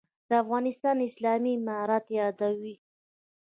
«د افغانستان اسلامي امارت» یادوي.